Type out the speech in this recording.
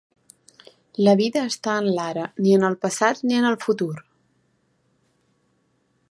La vida està en l'ara, ni en el passat ni en el futur.